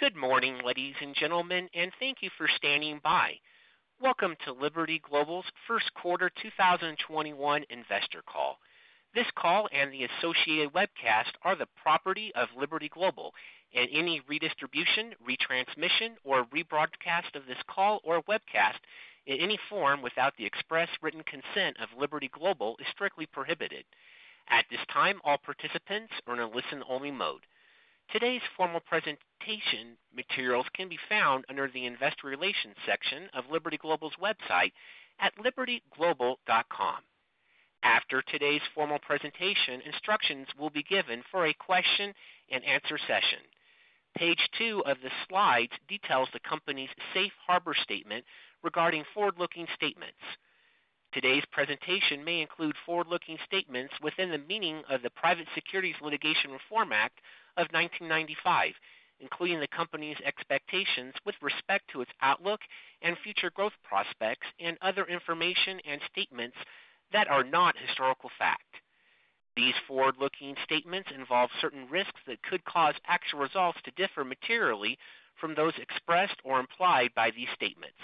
Good morning, ladies and gentlemen, and thank you for standing by. Welcome to Liberty Global's first quarter 2021 investor call. This call and the associated webcast are the property of Liberty Global, and any redistribution, retransmission, or rebroadcast of this call or webcast in any form without the express written consent of Liberty Global is strictly prohibited. At this time, all participants are in a listen-only mode. Today's formal presentation materials can be found under the investor relations section of Liberty Global's website at libertyglobal.com. After today's formal presentation, instructions will be given for a question and answer session. Page two of the slides details the company's safe harbor statement regarding forward-looking statements. Today's presentation may include forward-looking statements within the meaning of the Private Securities Litigation Reform Act of 1995, including the company's expectations with respect to its outlook and future growth prospects and other information and statements that are not historical fact. These forward-looking statements involve certain risks that could cause actual results to differ materially from those expressed or implied by these statements.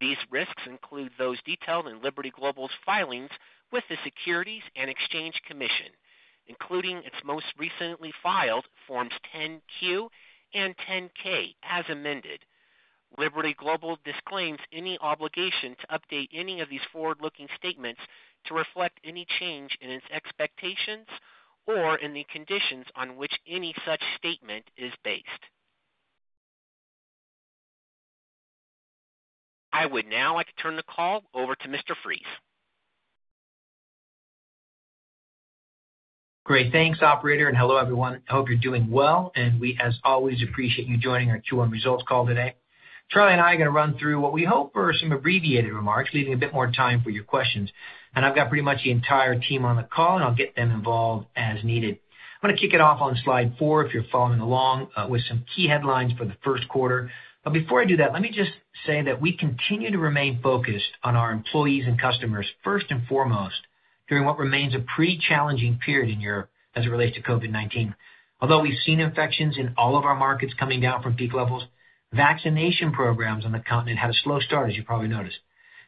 These risks include those detailed in Liberty Global's filings with the Securities and Exchange Commission, including its most recently filed Forms 10-Q and 10-K, as amended. Liberty Global disclaims any obligation to update any of these forward-looking statements to reflect any change in its expectations or in the conditions on which any such statement is based. I would now like to turn the call over to Mr. Fries. Great. Thanks, operator. Hello, everyone. Hope you're doing well, and we, as always, appreciate you joining our Q1 results call today. Charlie and I are going to run through what we hope are some abbreviated remarks, leaving a bit more time for your questions. I've got pretty much the entire team on the call, and I'll get them involved as needed. I'm going to kick it off on slide four, if you're following along, with some key headlines for the first quarter. Before I do that, let me just say that we continue to remain focused on our employees and customers first and foremost during what remains a pretty challenging period in Europe as it relates to COVID-19. Although we've seen infections in all of our markets coming down from peak levels, vaccination programs on the continent had a slow start, as you probably noticed.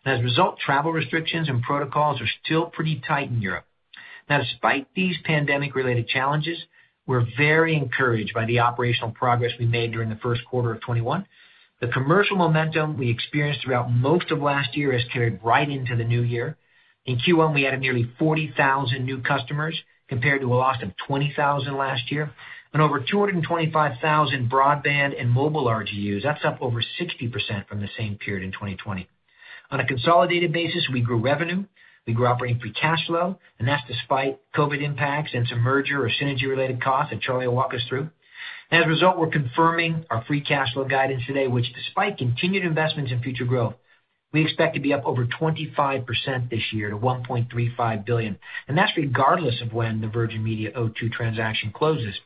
As a result, travel restrictions and protocols are still pretty tight in Europe. Despite these pandemic-related challenges, we're very encouraged by the operational progress we made during the first quarter of 2021. The commercial momentum we experienced throughout most of last year has carried right into the new year. In Q1, we added nearly 40,000 new customers compared to a loss of 20,000 last year, and over 225,000 broadband and mobile RGUs. That's up over 60% from the same period in 2020. On a consolidated basis, we grew revenue, we grew operating free cash flow, and that's despite COVID impacts and some merger or synergy related costs that Charlie will walk us through. As a result, we're confirming our free cash flow guidance today, which despite continued investments in future growth, we expect to be up over 25% this year to $1.35 billion. That's regardless of when the Virgin Media O2 transaction closes.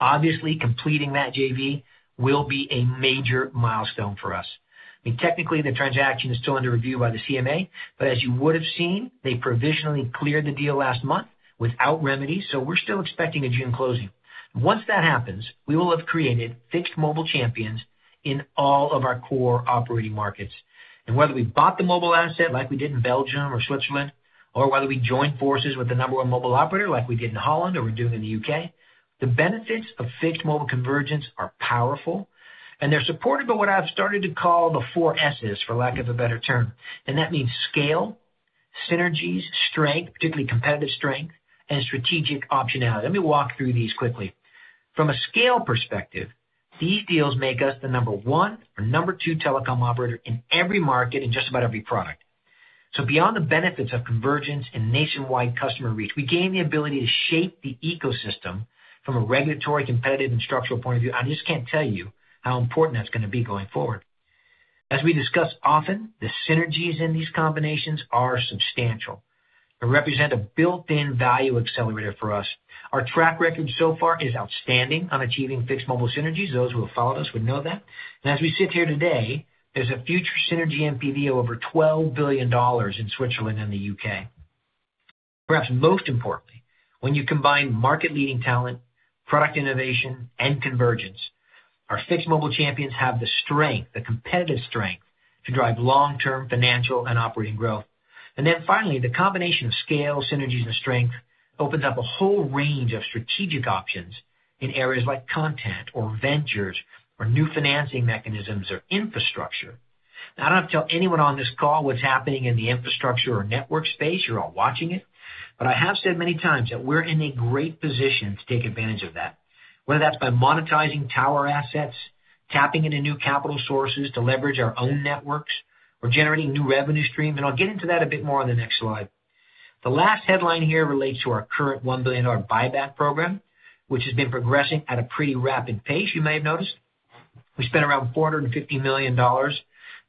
Obviously, completing that JV will be a major milestone for us. I mean, technically, the transaction is still under review by the CMA. As you would've seen, they provisionally cleared the deal last month without remedy, so we're still expecting a June closing. Once that happens, we will have created fixed mobile champions in all of our core operating markets. Whether we bought the mobile asset like we did in Belgium or Switzerland, or whether we joined forces with the number one mobile operator like we did in Holland or we're doing in the U.K., the benefits of fixed mobile convergence are powerful, and they're supported by what I've started to call the four S's, for lack of a better term. That means scale, synergies, strength, particularly competitive strength, and strategic optionality. Let me walk through these quickly. From a scale perspective, these deals make us the number one or number two telecom operator in every market in just about every product. Beyond the benefits of convergence and nationwide customer reach, we gain the ability to shape the ecosystem from a regulatory, competitive, and structural point of view. I just can't tell you how important that's going to be going forward. As we discuss often, the synergies in these combinations are substantial and represent a built-in value accelerator for us. Our track record so far is outstanding on achieving fixed mobile synergies. Those who have followed us would know that. As we sit here today, there's a future synergy NPV of over $12 billion in Switzerland and the U.K. Perhaps most importantly, when you combine market-leading talent, product innovation, and convergence, our fixed mobile champions have the strength, the competitive strength to drive long-term financial and operating growth. Finally, the combination of scale, synergies, and strength opens up a whole range of strategic options in areas like content or ventures or new financing mechanisms or infrastructure. I don't have to tell anyone on this call what's happening in the infrastructure or network space. You're all watching it. I have said many times that we're in a great position to take advantage of that, whether that's by monetizing tower assets, tapping into new capital sources to leverage our own networks, or generating new revenue streams. I'll get into that a bit more on the next slide. The last headline here relates to our current $1 billion buyback program, which has been progressing at a pretty rapid pace, you may have noticed. We spent around $450 million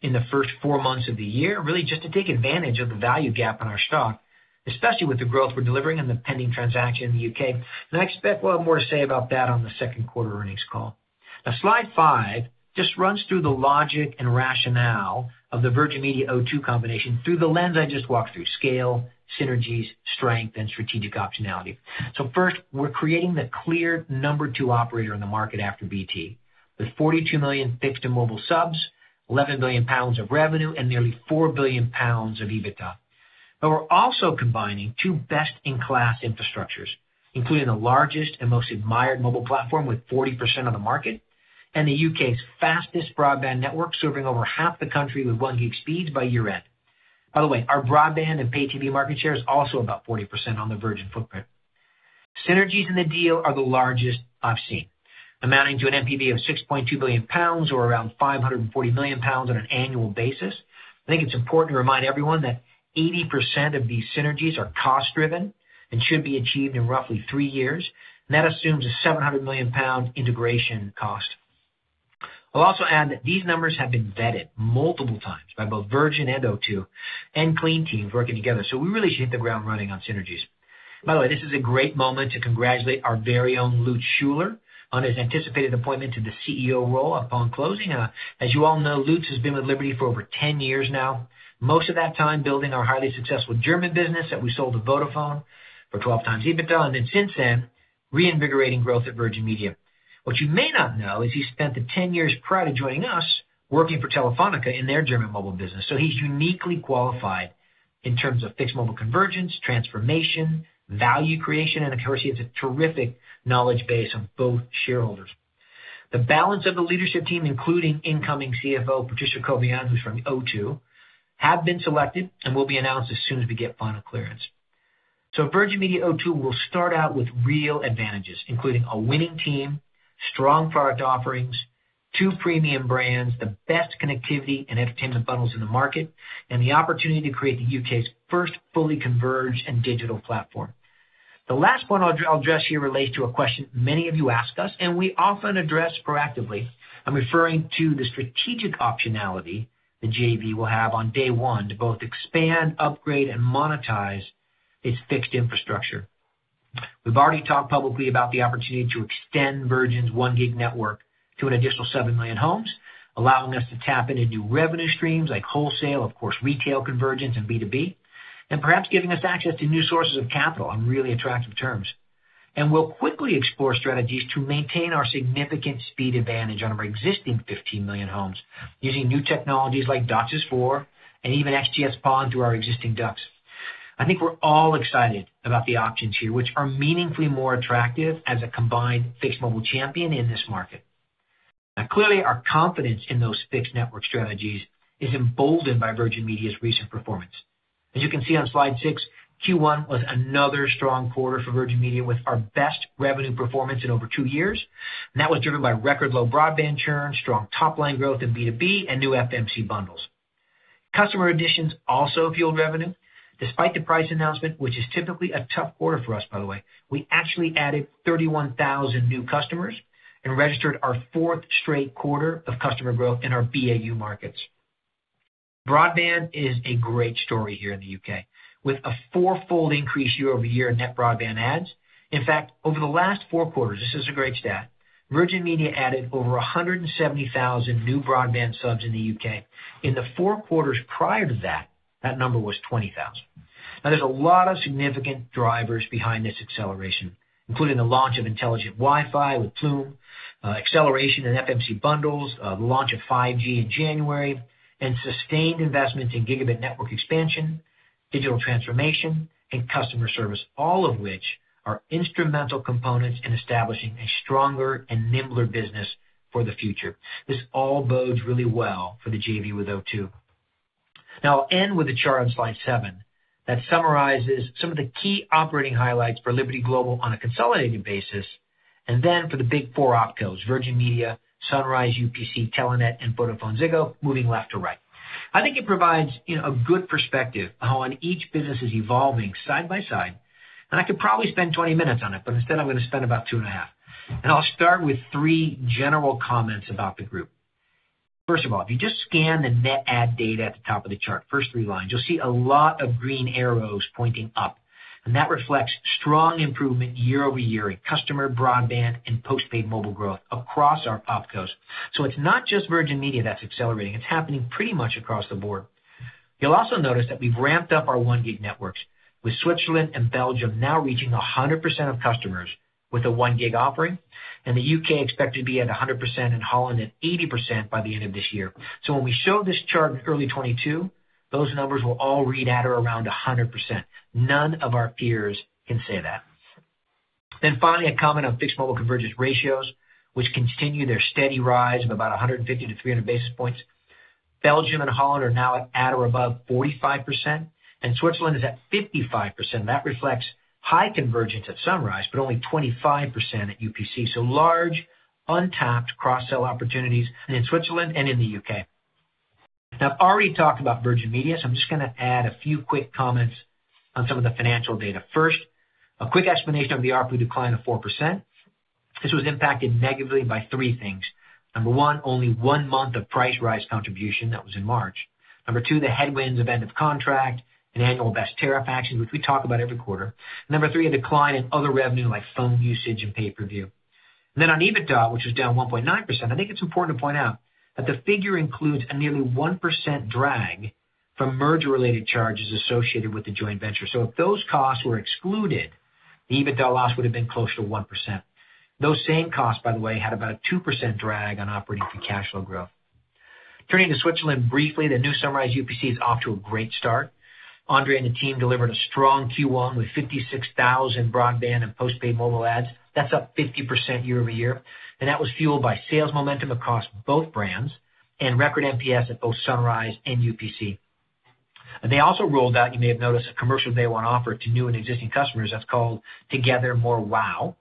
in the first four months of the year, really just to take advantage of the value gap in our stock, especially with the growth we're delivering and the pending transaction in the U.K. I expect we'll have more to say about that on the second quarter earnings call. Now slide five just runs through the logic and rationale of the Virgin Media O2 combination through the lens I just walked through, scale, synergies, strength, and strategic optionality. First, we're creating the clear number two operator in the market after BT, with 42 million fixed and mobile subs, 11 billion pounds of revenue, and nearly 4 billion pounds of EBITDA. We're also combining two best-in-class infrastructures, including the largest and most admired mobile platform with 40% of the market, and the U.K.'s fastest broadband network, serving over half the country with one gig speeds by year-end. By the way, our broadband and pay TV market share is also about 40% on the Virgin footprint. Synergies in the deal are the largest I've seen, amounting to an NPV of 6.2 billion pounds, or around 540 million pounds on an annual basis. I think it's important to remind everyone that 80% of these synergies are cost-driven and should be achieved in roughly three years. That assumes a 700 million pound integration cost. I'll also add that these numbers have been vetted multiple times by both Virgin and O2 and clean teams working together, so we really should hit the ground running on synergies. By the way, this is a great moment to congratulate our very own Lutz Schüler on his anticipated appointment to the Chief Executive Officer role upon closing. As you all know, Lutz has been with Liberty for over 10 years now, most of that time building our highly successful German business that we sold to Vodafone for 12x EBITDA. Since then, reinvigorating growth at Virgin Media. What you may not know is he spent the 10 years prior to joining us working for Telefónica in their German mobile business. He's uniquely qualified in terms of fixed/mobile convergence, transformation, value creation, and of course, he has a terrific knowledge base on both shareholders. The balance of the leadership team, including incoming Chief Financial Officer, Patricia Cobian, who's from O2, have been selected and will be announced as soon as we get final clearance. Virgin Media O2 will start out with real advantages, including a winning team, strong product offerings, two premium brands, the best connectivity and entertainment bundles in the market, and the opportunity to create the U.K.'s first fully converged and digital platform. The last point I'll address here relates to a question many of you ask us and we often address proactively. I'm referring to the strategic optionality that JV will have on day one to both expand, upgrade, and monetize its fixed infrastructure. We've already talked publicly about the opportunity to extend Virgin's one gig network to an additional seven million homes, allowing us to tap into new revenue streams like wholesale, of course, retail convergence and B2B, and perhaps giving us access to new sources of capital on really attractive terms. We'll quickly explore strategies to maintain our significant speed advantage on our existing 15 million homes using new technologies like DOCSIS 4.0 And even XGS-PON through our existing ducts. I think we're all excited about the options here, which are meaningfully more attractive as a combined fixed mobile champion in this market. Clearly, our confidence in those fixed network strategies is emboldened by Virgin Media's recent performance. As you can see on slide six, Q1 was another strong quarter for Virgin Media with our best revenue performance in over two years. That was driven by record low broadband churn, strong top-line growth in B2B, and new FMC bundles. Customer additions also fueled revenue. Despite the price announcement, which is typically a tough quarter for us, by the way, we actually added 31,000 new customers and registered our fourth straight quarter of customer growth in our BAU markets. Broadband is a great story here in the U.K., with a four-fold increase year-over-year in net broadband adds. In fact, over the last four quarters, this is a great stat, Virgin Media added over 170,000 new broadband subs in the U.K. In the four quarters prior to that number was 20,000. Now, there's a lot of significant drivers behind this acceleration, including the launch of intelligent Wi-Fi with Plume, acceleration in FMC bundles, the launch of 5G in January, and sustained investments in gigabit network expansion, digital transformation, and customer service, all of which are instrumental components in establishing a stronger and nimbler business for the future. This all bodes really well for the JV with O2. I'll end with a chart on slide seven that summarizes some of the key operating highlights for Liberty Global on a consolidated basis, and then for the big four OpCos, Virgin Media, Sunrise, UPC, Telenet, and VodafoneZiggo, moving left to right. I think it provides a good perspective on how each business is evolving side by side, I could probably spend 20 minutes on it, but instead I'm going to spend about 2.5. I'll start with three general comments about the group. First of all, if you just scan the net add data at the top of the chart, first three lines, you'll see a lot of green arrows pointing up, and that reflects strong improvement year-over-year in customer broadband and postpaid mobile growth across our OpCos. It's not just Virgin Media that's accelerating. It's happening pretty much across the board. You'll also notice that we've ramped up our 1 gig networks with Switzerland and Belgium now reaching 100% of customers with a 1 gig offering, and the U.K. expected to be at 100% and Holland at 80% by the end of this year. When we show this chart in early 2022, those numbers will all read at or around 100%. None of our peers can say that. Finally, a comment on fixed mobile convergence ratios, which continue their steady rise of about 150 to 300 basis points. Belgium and Holland are now at or above 45%, and Switzerland is at 55%, and that reflects high convergence at Sunrise, but only 25% at UPC, so large untapped cross-sell opportunities in Switzerland and in the U.K. I've already talked about Virgin Media, so I'm just going to add a few quick comments on some of the financial data. First, a quick explanation of the ARPU decline of 4%. This was impacted negatively by three things. Number one, only one month of price rise contribution, that was in March. Number two, the headwinds of end of contract and annual best tariff actions, which we talk about every quarter. Number three, a decline in other revenue like phone usage and pay-per-view. On EBITDA, which was down 1.9%, I think it's important to point out that the figure includes a nearly 1% drag from merger-related charges associated with the joint venture. If those costs were excluded, the EBITDA loss would've been closer to 1%. Those same costs, by the way, had about 2% drag on operating free cash flow growth. Turning to Switzerland briefly, the new Sunrise UPC is off to a great start. Andre and the team delivered a strong Q1 with 56,000 broadband and postpaid mobile adds. That's up 50% year-over-year. That was fueled by sales momentum across both brands and record NPS at both Sunrise and UPC. They also rolled out, you may have noticed, a commercial Day One offer to new and existing customers that's called Together More Wow.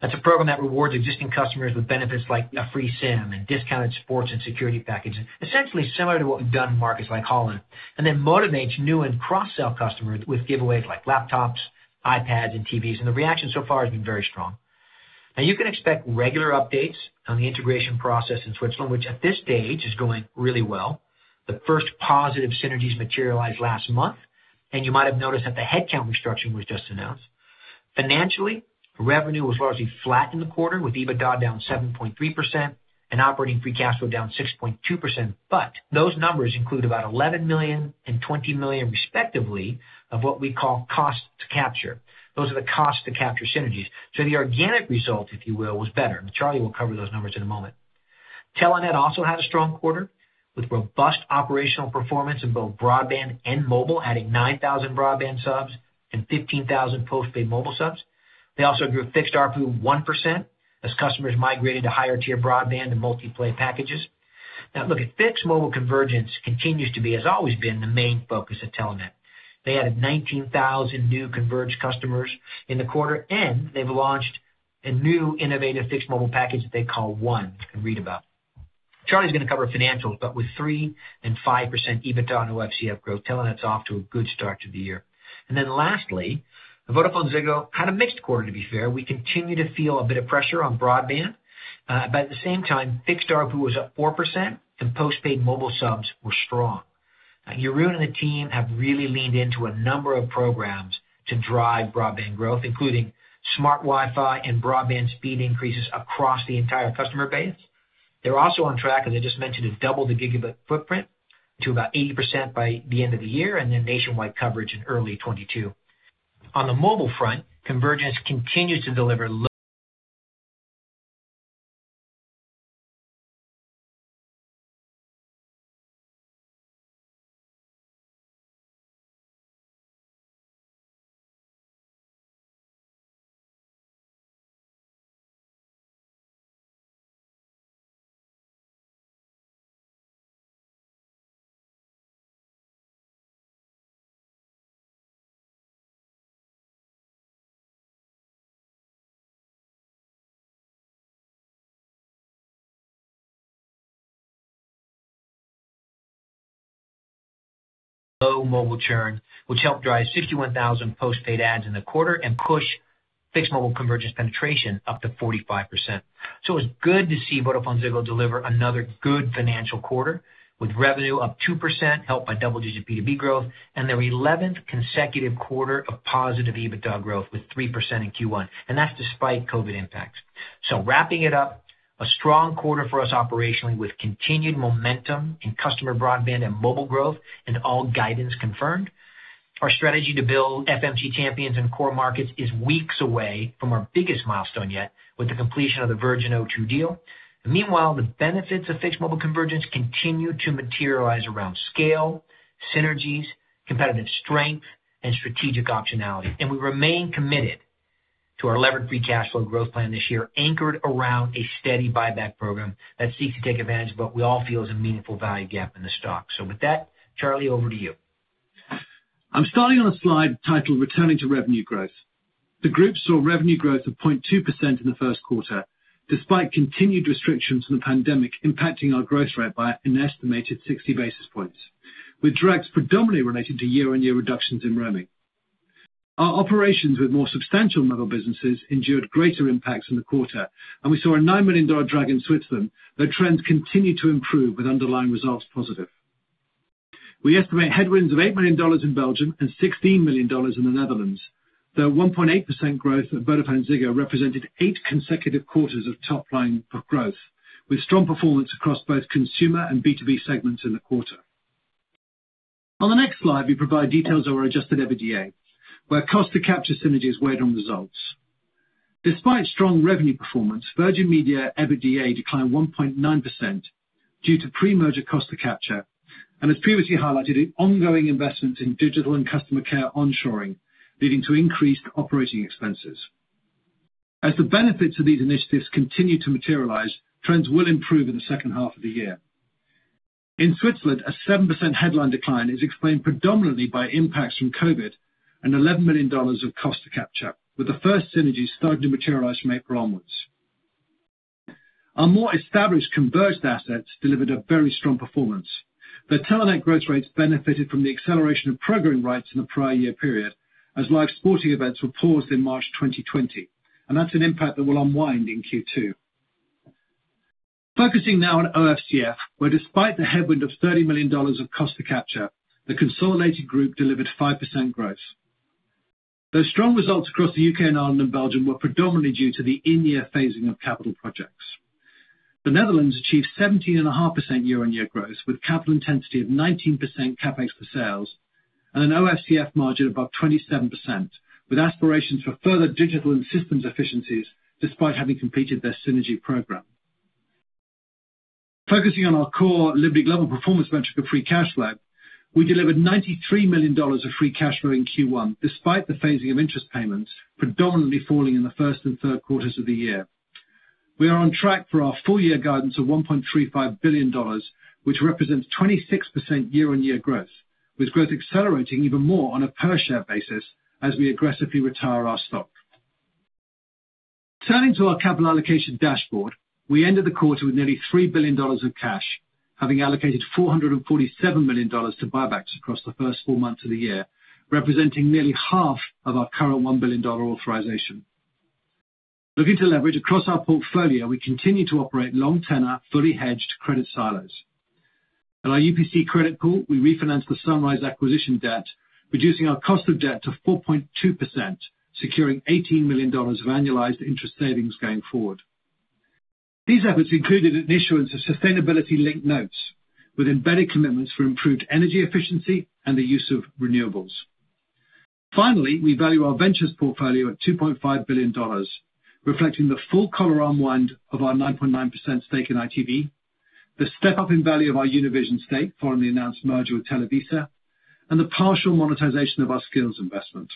That's a program that rewards existing customers with benefits like a free SIM and discounted sports and security packages, essentially similar to what we've done in markets like Holland. Motivates new and cross-sell customers with giveaways like laptops, iPads, and TVs. The reaction so far has been very strong. Now you can expect regular updates on the integration process in Switzerland, which at this stage is going really well. The first positive synergies materialized last month. You might have noticed that the headcount restructure was just announced. Financially, revenue was largely flat in the quarter with EBITDA down 7.3% and operating free cash flow down 6.2%. Those numbers include about $11 million and $20 million respectively of what we call cost to capture. Those are the cost to capture synergies. The organic result, if you will, was better. Charlie will cover those numbers in a moment. Telenet also had a strong quarter with robust operational performance in both broadband and mobile, adding 9,000 broadband subs and 15,000 postpaid mobile subs. They also grew fixed ARPU 1% as customers migrated to higher-tier broadband and multi-play packages. Fixed mobile convergence continues to be, has always been, the main focus at Telenet. They added 19,000 new converged customers in the quarter. They've launched a new innovative fixed mobile package that they call One, you can read about. Charlie's going to cover financials, with 3% and 5% EBITDA and OCF growth, Telenet's off to a good start to the year. Lastly, VodafoneZiggo had a mixed quarter to be fair. We continue to feel a bit of pressure on broadband. At the same time, fixed ARPU was up 4% and postpaid mobile subs were strong. Jeroen and the team have really leaned into a number of programs to drive broadband growth, including smart Wi-Fi and broadband speed increases across the entire customer base. They're also on track, as I just mentioned, to double the gigabit footprint to about 80% by the end of the year, nationwide coverage in early 2022. On the mobile front, convergence continues to deliver low mobile churn, which helped drive 61,000 postpaid adds in the quarter and push fixed mobile convergence penetration up to 45%. It's good to see VodafoneZiggo deliver another good financial quarter with revenue up 2%, helped by double-digit B2B growth, their 11th consecutive quarter of positive EBITDA growth with 3% in Q1, and that's despite COVID impacts. Wrapping it up, a strong quarter for us operationally with continued momentum in customer broadband and mobile growth and all guidance confirmed. Our strategy to build FMC champions in core markets is weeks away from our biggest milestone yet with the completion of the Virgin O2 deal. Meanwhile, the benefits of fixed mobile convergence continue to materialize around scale, synergies, competitive strength, and strategic optionality. We remain committed to our levered free cash flow growth plan this year, anchored around a steady buyback program that seeks to take advantage of what we all feel is a meaningful value gap in the stock. With that, Charlie, over to you. I'm starting on a slide titled Returning to Revenue Growth. The group saw revenue growth of 0.2% in the first quarter, despite continued restrictions from the pandemic impacting our growth rate by an estimated 60 basis points, with drags predominantly related to year-on-year reductions in roaming. Our operations with more substantial mobile businesses endured greater impacts in the quarter, and we saw a $9 million drag in Switzerland, though trends continue to improve with underlying results positive. We estimate headwinds of $8 million in Belgium and $16 million in the Netherlands. The 1.8% growth of VodafoneZiggo represented eight consecutive quarters of top line of growth, with strong performance across both consumer and B2B segments in the quarter. On the next slide, we provide details of our adjusted EBITDA, where cost to capture synergies weighed on results. Despite strong revenue performance, Virgin Media EBITDA declined 1.9% due to pre-merger cost to capture, and as previously highlighted, ongoing investments in digital and customer care onshoring, leading to increased operating expenses. As the benefits of these initiatives continue to materialize, trends will improve in the second half of the year. In Switzerland, a 7% headline decline is explained predominantly by impacts from COVID and $11 million of cost to capture, with the first synergies starting to materialize from April onwards. Our more established converged assets delivered a very strong performance. The Telenet growth rates benefited from the acceleration of programming rights in the prior year period, as live sporting events were paused in March 2020. That's an impact that will unwind in Q2. Focusing now on OFCF, where despite the headwind of $30 million of cost to capture, the consolidated group delivered 5% growth. Those strong results across the U.K. and Ireland and Belgium were predominantly due to the in-year phasing of capital projects. The Netherlands achieved 17.5% year-on-year growth, with capital intensity of 19% CapEx to sales, and an OFCF margin above 27%, with aspirations for further digital and systems efficiencies despite having completed their synergy program. Focusing on our core Liberty Global performance measure for free cash flow, we delivered $93 million of free cash flow in Q1, despite the phasing of interest payments predominantly falling in the first and third quarters of the year. We are on track for our full year guidance of $1.35 billion, which represents 26% year-on-year growth, with growth accelerating even more on a per share basis as we aggressively retire our stock. Turning to our capital allocation dashboard, we ended the quarter with nearly $3 billion of cash, having allocated $447 million to buybacks across the first four months of the year, representing nearly half of our current $1 billion authorization. Looking to leverage across our portfolio, we continue to operate long tenor, fully hedged credit silos. At our UPC credit pool, we refinanced the Sunrise acquisition debt, reducing our cost of debt to 4.2%, securing $18 million of annualized interest savings going forward. These efforts included an issuance of sustainability-linked notes with embedded commitments for improved energy efficiency and the use of renewables. We value our ventures portfolio at $2.5 billion, reflecting the full collar unwind of our 9.9% stake in ITV, the step-up in value of our Univision stake following the announced merger with Televisa, and the partial monetization of our Skillz investment.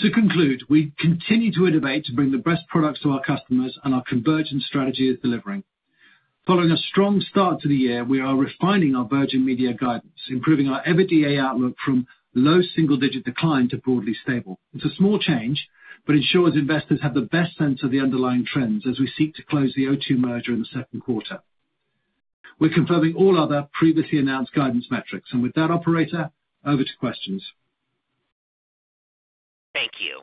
To conclude, we continue to innovate to bring the best products to our customers, and our convergence strategy is delivering. Following a strong start to the year, we are refining our Virgin Media guidance, improving our EBITDA outlook from low single-digit decline to broadly stable. It's a small change, but ensures investors have the best sense of the underlying trends as we seek to close the O2 merger in the second quarter. We're confirming all other previously announced guidance metrics. With that operator, over to questions. Thank you.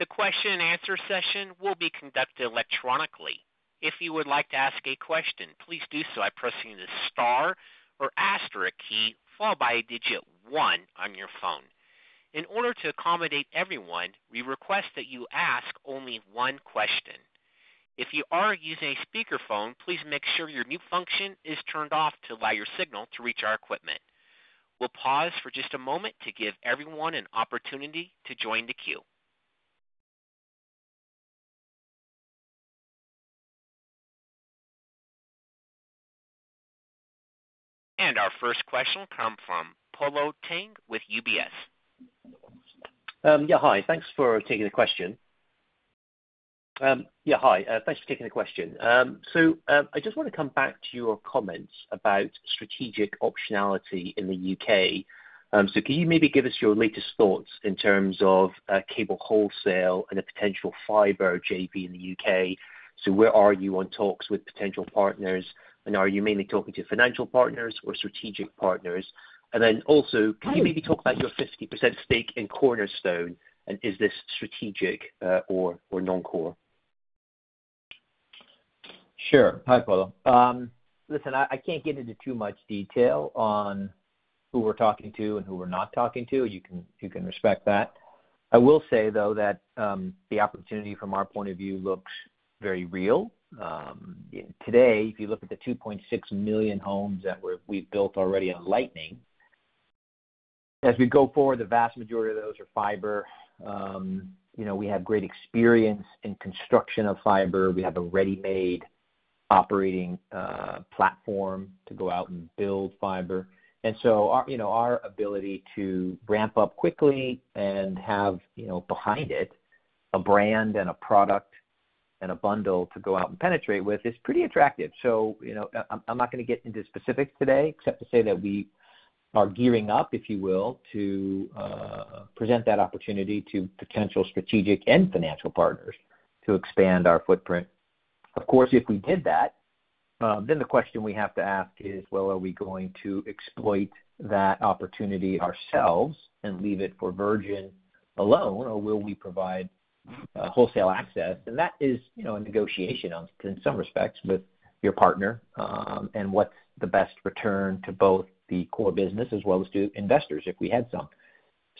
The question and answer session will be conducted electronically. If you would like to ask a question, please do so by pressing the star or asterisk key followed by digit one on your phone. In order to accommodate everyone, we request that you ask only one question. If you are using a speakerphone, please make sure your mute function is turned off to allow your signal to reach our equipment. We will pause for just a moment to give everyone an opportunity to join the queue. Our first question come from Polo Tang with UBS. Yeah. Hi, thanks for taking the question. I just want to come back to your comments about strategic optionality in the U.K. Can you maybe give us your latest thoughts in terms of cable wholesale and a potential fiber JV in the U.K.? Where are you on talks with potential partners, and are you mainly talking to financial partners or strategic partners? Then also, can you maybe talk about your 50% stake in Cornerstone and is this strategic or non-core? Sure. Hi, Polo. Listen, I can't get into too much detail on who we're talking to and who we're not talking to. You can respect that. I will say, though, that the opportunity from our point of view looks very real. Today, if you look at the 2.6 million homes that we've built already on Lightning, as we go forward, the vast majority of those are fiber. We have great experience in construction of fiber. We have a ready-made operating platform to go out and build fiber. Our ability to ramp up quickly and have behind it a brand and a product and a bundle to go out and penetrate with is pretty attractive. I'm not going to get into specifics today except to say that we are gearing up, if you will, to present that opportunity to potential strategic and financial partners to expand our footprint. Of course, if we did that, the question we have to ask is: Well, are we going to exploit that opportunity ourselves and leave it for Virgin alone, or will we provide wholesale access? That is a negotiation in some respects with your partner, and what's the best return to both the core business as well as to investors if we had some.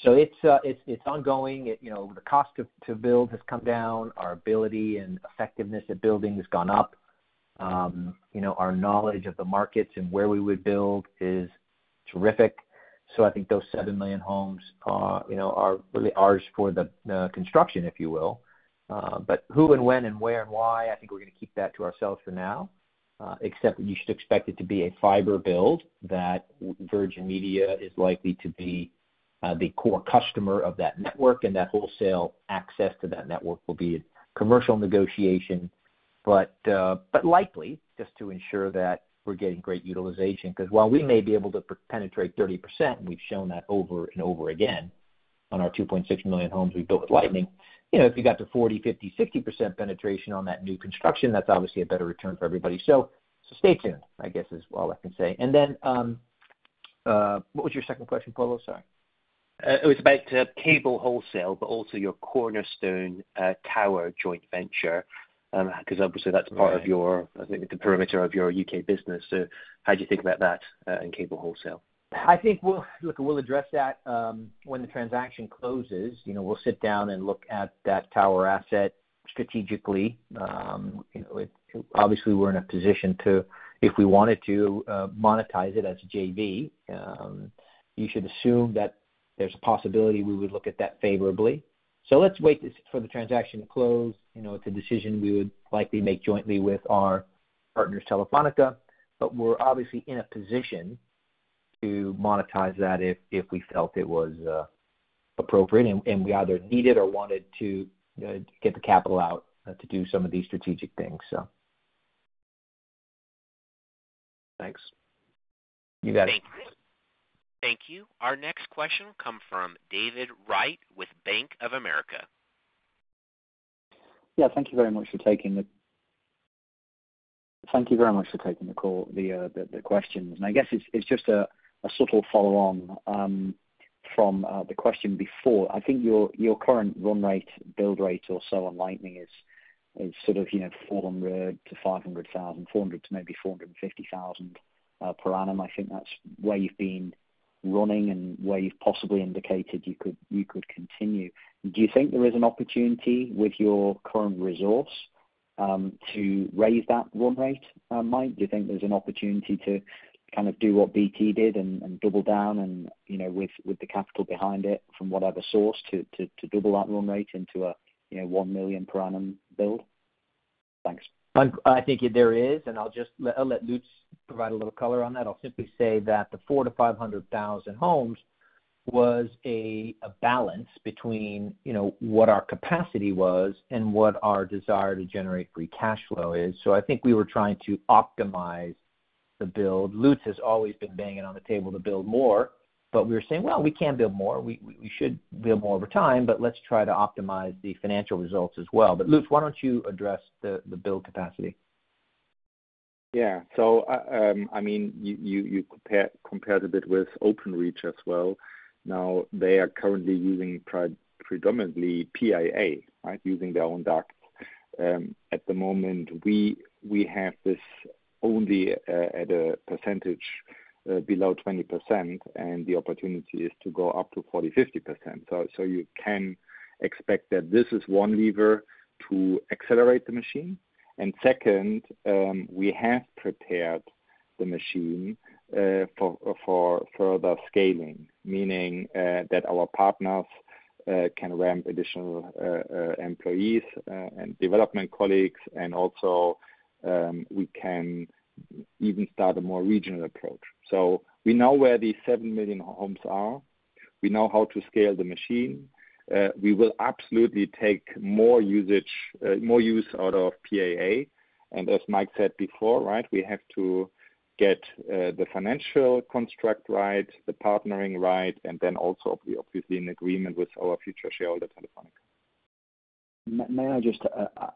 It's ongoing. The cost to build has come down. Our ability and effectiveness at building has gone up. Our knowledge of the markets and where we would build is terrific. I think those 7 million homes are really ours for the construction, if you will. Who and when and where and why, I think we're going to keep that to ourselves for now. You should expect it to be a fiber build, that Virgin Media is likely to be the core customer of that network, and that wholesale access to that network will be a commercial negotiation. Likely just to ensure that we're getting great utilization, because while we may be able to penetrate 30%, and we've shown that over and over again on our 2.6 million homes we built with Lightning, if you got to 40%, 50%, 60% penetration on that new construction, that's obviously a better return for everybody. Stay tuned, I guess is all I can say. What was your second question, Polo? Sorry. It was about cable wholesale, also your Cornerstone Tower joint venture, because obviously that's part of your, I think, the perimeter of your U.K. business. How do you think about that in cable wholesale? I think we'll address that when the transaction closes. We'll sit down and look at that tower asset strategically. Obviously, we're in a position to, if we wanted to, monetize it as a JV. You should assume that there's a possibility we would look at that favorably. Let's wait for the transaction to close. It's a decision we would likely make jointly with our partners, Telefónica, but we're obviously in a position to monetize that if we felt it was appropriate and we either needed or wanted to get the capital out to do some of these strategic things. Thanks. You bet. Thank you. Our next question will come from David Wright with Bank of America. Yeah, thank you very much for taking the call, the questions, and I guess it's just a subtle follow-on from the question before. I think your current run rate, build rate or so on Project Lightning is sort of 400,000-500,000, 400,000 to maybe 450,000 per annum. I think that's where you've been running and where you've possibly indicated you could continue. Do you think there is an opportunity with your current resource to raise that run rate, Mike? Do you think there's an opportunity to do what BT did and double down and with the capital behind it from whatever source to double that run rate into a 1 million per annum build? Thanks. I think there is, and I'll let Lutz provide a little color on that. I'll simply say that the four to 500,000 homes was a balance between what our capacity was and what our desire to generate free cash flow is. I think we were trying to optimize the build. Lutz has always been banging on the table to build more, but we were saying, "Well, we can build more. We should build more over time, but let's try to optimize the financial results as well." Lutz, why don't you address the build capacity? You compared a bit with Openreach as well. They are currently using predominantly PIA. Using their own duct. At the moment, we have this only at a percentage below 20%, and the opportunity is to go up to 40%, 50%. You can expect that this is one lever to accelerate the machine. Second, we have prepared the machine for further scaling, meaning that our partners can ramp additional employees and development colleagues, and also we can even start a more regional approach. We know where these 7 million homes are. We know how to scale the machine. We will absolutely take more use out of PIA. As Mike said before, we have to get the financial construct right, the partnering right, and then also obviously in agreement with our future shareholder, Telefónica. May I just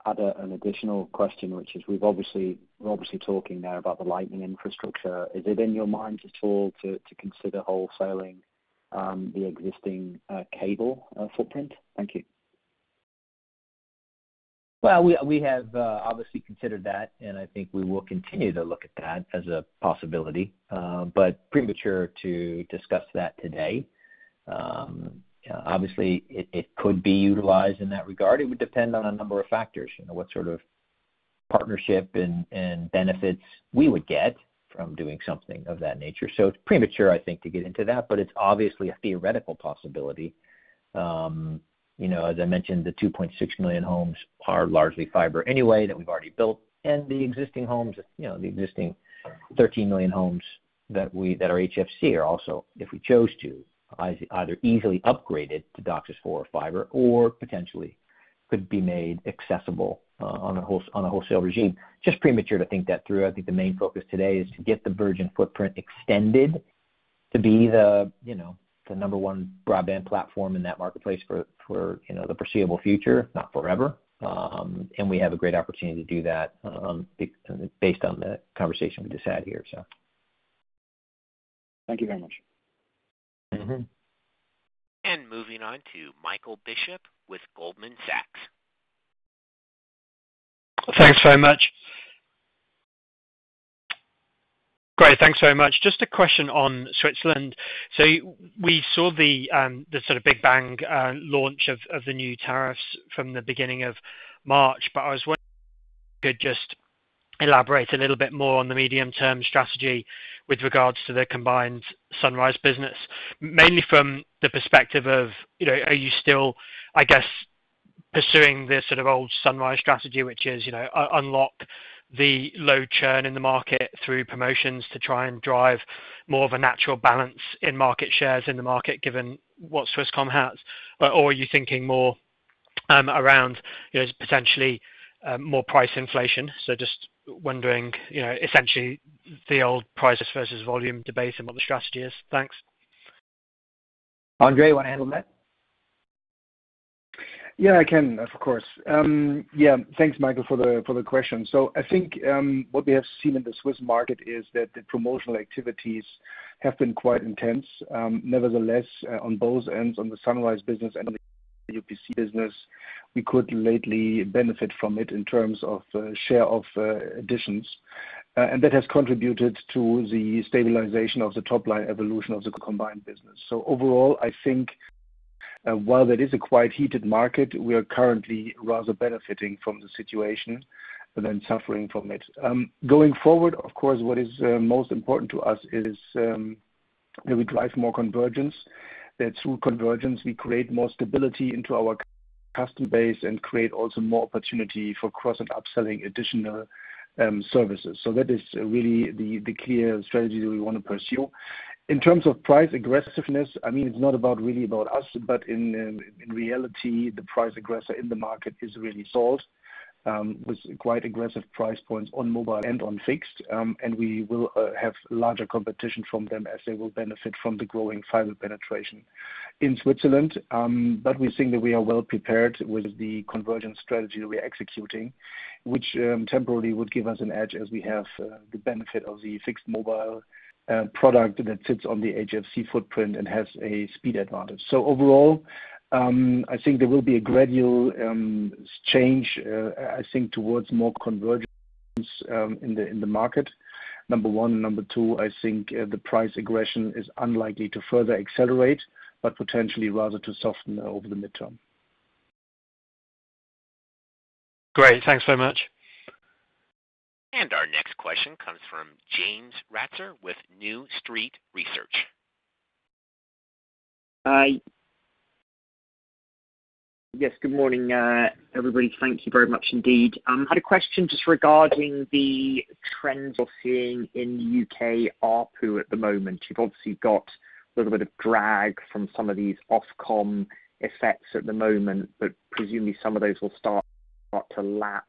add an additional question, which is, we're obviously talking now about the Lightning infrastructure. Is it in your mind at all to consider wholesaling the existing cable footprint? Thank you. Well, we have obviously considered that, and I think we will continue to look at that as a possibility. Premature to discuss that today. Obviously, it could be utilized in that regard. It would depend on a number of factors. What sort of partnership and benefits we would get from doing something of that nature. It's premature, I think, to get into that, but it's obviously a theoretical possibility. As I mentioned, the 2.6 million homes are largely fiber anyway that we've already built, and the existing 13 million homes that are HFC are also, if we chose to, either easily upgraded to DOCSIS 4.0 or fiber or potentially could be made accessible on a wholesale regime. Just premature to think that through. I think the main focus today is to get the Virgin footprint extended to be the number one broadband platform in that marketplace for the foreseeable future, not forever. We have a great opportunity to do that based on the conversation we just had here. Thank you very much. Moving on to Michael Bishop with Goldman Sachs. Thanks very much. Great. Thanks very much. Just a question on Switzerland. We saw the big bang launch of the new tariffs from the beginning of March, but I was wondering if you could just elaborate a little bit more on the medium-term strategy with regards to the combined Sunrise business. Mainly from the perspective of, are you still, I guess, pursuing the old Sunrise strategy, which is unlock the low churn in the market through promotions to try and drive more of a natural balance in market shares in the market, given what Swisscom has? Are you thinking more around, potentially, more price inflation? Just wondering, essentially the old prices versus volume debate and what the strategy is. Thanks. André, you want to handle that? Yeah, I can, of course. Thanks, Michael, for the question. I think what we have seen in the Swiss market is that the promotional activities have been quite intense. Nevertheless, on both ends, on the Sunrise business and on the UPC business, we could lately benefit from it in terms of share of additions. That has contributed to the stabilization of the top-line evolution of the combined business. Overall, I think while that is a quite heated market, we are currently rather benefiting from the situation than suffering from it. Going forward, of course, what is most important to us is that we drive more convergence. That through convergence, we create more stability into our customer base and create also more opportunity for cross and upselling additional services. That is really the clear strategy that we want to pursue. In terms of price aggressiveness, it's not really about us, but in reality, the price aggressor in the market is really solved, with quite aggressive price points on mobile and on fixed. We will have larger competition from them as they will benefit from the growing fiber penetration in Switzerland. We think that we are well prepared with the convergence strategy that we are executing, which temporarily would give us an edge as we have the benefit of the fixed mobile product that sits on the HFC footprint and has a speed advantage. Overall, I think there will be a gradual change, I think, towards more convergence in the market, number one. Number two, I think the price aggression is unlikely to further accelerate, but potentially rather to soften over the midterm. Great. Thanks so much. Our next question comes from James Ratzer with New Street Research. Yes, good morning, everybody. Thank you very much indeed. Had a question just regarding the trends you're seeing in U.K. ARPU at the moment. You've obviously got a little bit of drag from some of these Ofcom effects at the moment, but presumably some of those will start to lap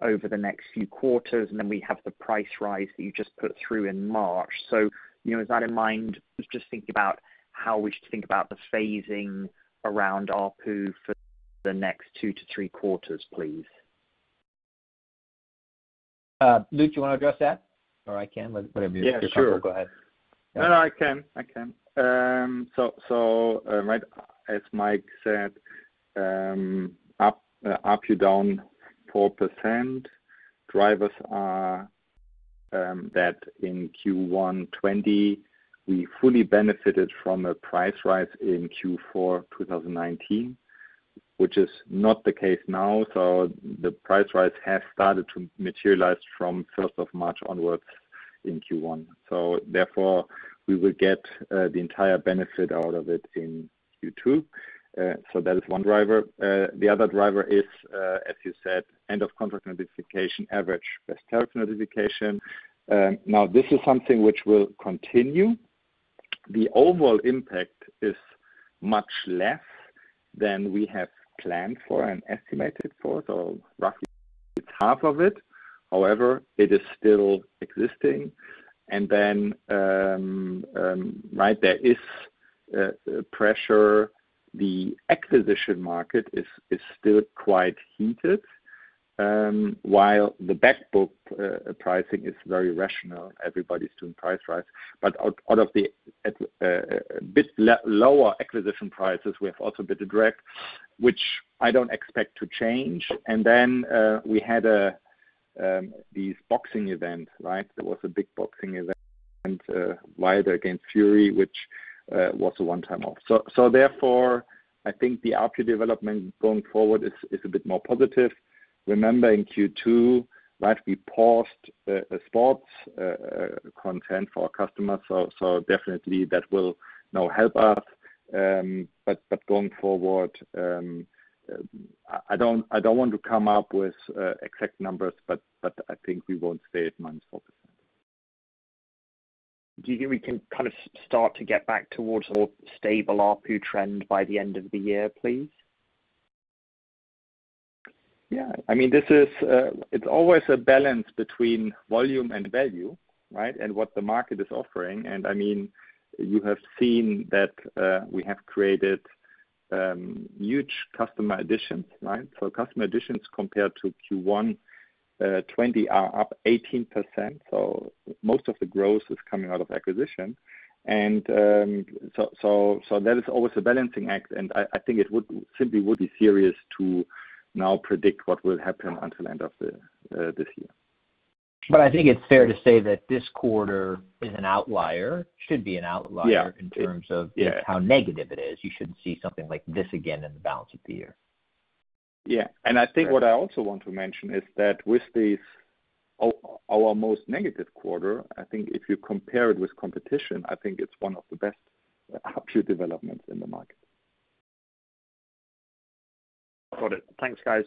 over the next few quarters, and then we have the price rise that you just put through in March. With that in mind, I was just thinking about how we should think about the phasing around ARPU for the next two to three quarters, please. Lutz, you want to address that, or I can, whatever you think. Sure. Go ahead. I can. As Mike said, ARPU down 4%. Drivers are that in Q1 2020, we fully benefited from a price rise in Q4 2019, which is not the case now. The price rise has started to materialize from 1st of March onwards in Q1. Therefore, we will get the entire benefit out of it in Q2. That is one driver. The other driver is, as you said, end of contract notification, average best tariff notification. This is something which will continue. The overall impact is much less than we have planned for and estimated for. Roughly it's half of it. However, it is still existing. Then there is pressure. The acquisition market is still quite heated. While the back book pricing is very rational, everybody's doing price rise. Out of the bit lower acquisition prices, we have also a bit of drag, which I don't expect to change. We had these boxing events. There was a big boxing event, Wilder against Fury, which was a one-time off. I think the ARPU development going forward is a bit more positive. Remember, in Q2, we paused sports content for our customers, definitely that will now help us. Going forward, I don't want to come up with exact numbers, I think we won't stay at -4%. Do you think we can start to get back towards a more stable ARPU trend by the end of the year, please? Yeah. It's always a balance between volume and value. What the market is offering. You have seen that we have created huge customer additions. Customer additions compared to Q1 2020 are up 18%. Most of the growth is coming out of acquisition. That is always a balancing act, and I think it simply would be serious to now predict what will happen until end of this year. I think it's fair to say that this quarter is an outlier, should be an outlier. Yeah. In terms of just how negative it is. You shouldn't see something like this again in the balance of the year. I think what I also want to mention is that with our most negative quarter, I think if you compare it with competition, I think it's one of the best ARPU developments in the market. Got it. Thanks, guys.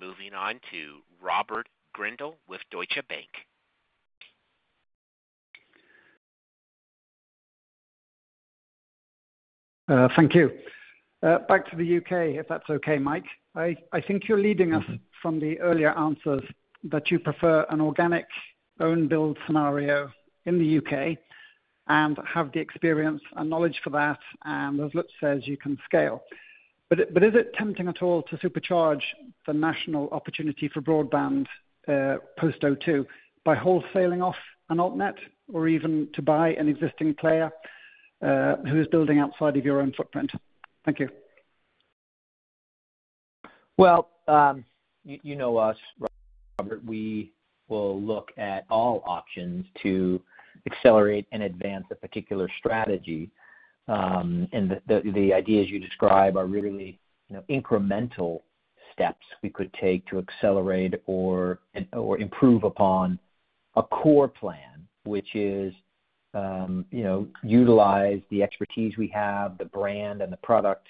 Moving on to Robert Grindle with Deutsche Bank. Thank you. Back to the U.K., if that's okay, Mike. I think you're leading us from the earlier answers that you prefer an organic own-build scenario in the U.K. and have the experience and knowledge for that, and as Lutz says, you can scale. Is it tempting at all to supercharge the national opportunity for broadband, post-O2, by wholesaling off an Altnet or even to buy an existing player who is building outside of your own footprint? Thank you. Well, you know us, Robert. We will look at all options to accelerate and advance a particular strategy. The ideas you describe are really incremental steps we could take to accelerate or improve upon a core plan, which is, utilize the expertise we have, the brand and the product,